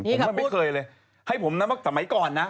ผมไม่เคยเลยให้ผมนะว่าสมัยก่อนนะ